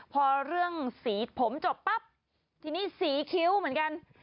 พอเรื่องสีผมจบปั๊บทีนี้สีคิ้วเหมือนกัน